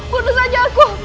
bunuh saja aku